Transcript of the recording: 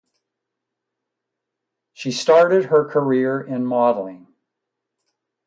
She started her career in modeling.